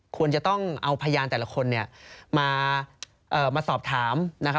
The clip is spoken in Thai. ควรจะต้องเอาพยานแต่ละคนเนี่ยมาสอบถามนะครับ